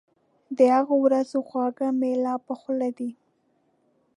د هغو ورځو خواږه مي لا په خوله دي